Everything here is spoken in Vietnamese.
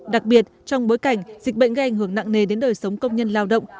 đặc biệt trong bối cảnh dịch bệnh gây ảnh hưởng nặng nề đến đời sống công nhân lao động